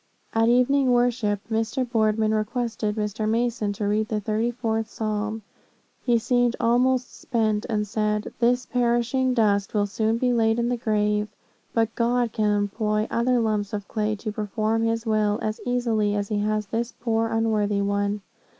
"At evening worship, Mr. Boardman requested Mr. Mason to read the thirty fourth Psalm. He seemed almost spent, and said, 'This poor perishing dust will soon be laid in the grave; but God can employ other lumps of clay to perform his will, as easily as he has this poor unworthy one.'